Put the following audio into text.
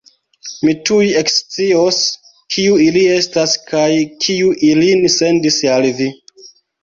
Mi tuj ekscios, kiu ili estas kaj kiu ilin sendis al vi!